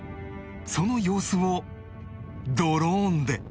その様子をドローンで